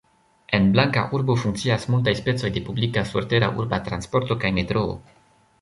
En Blanka urbo funkcias multaj specoj de publika surtera urba transporto kaj metroo.